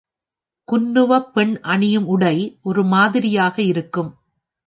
குன்னுவப் பெண் அணியும் உடை ஒரு மாதிரியாக இருக்கும்.